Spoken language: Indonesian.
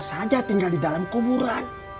itu sama saja tinggal di dalam kuburan